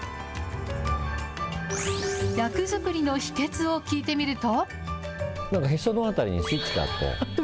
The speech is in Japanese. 役作りの秘けつを聞いてみると。